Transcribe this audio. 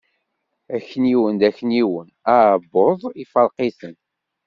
Akniwen d akniwen, aɛebbuḍ ifreq-iten.